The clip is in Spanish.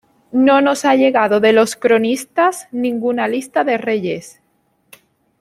No nos ha llegado de los cronistas ninguna lista de reyes.